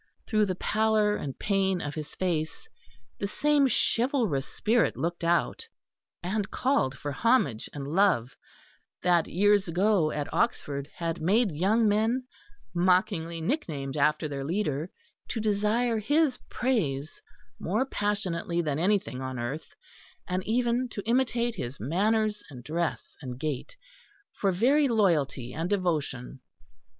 Through the pallor and pain of his face, the same chivalrous spirit looked out and called for homage and love, that years ago at Oxford had made young men, mockingly nicknamed after their leader, to desire his praise more passionately than anything on earth, and even to imitate his manners and dress and gait, for very loyalty and devotion.